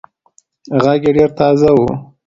غږ يې ډېر تازه وو.